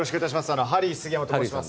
ハリー杉山と申します。